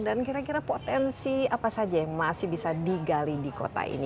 dan kira kira potensi apa saja yang masih bisa digali di kota ini